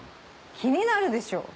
気になるでしょ。